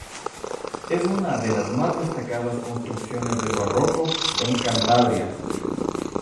Es una de las más destacadas construcciones del barroco en Cantabria.